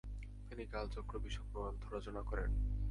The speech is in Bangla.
তিনি কালচক্র বিষয়ক গ্রন্থ রচনা করেন।